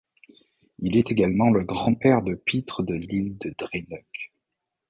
Il est également le grand-père de Pitre de Lisle du Dréneuc.